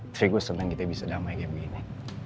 ternyata gue seneng kita bisa damai kayak begini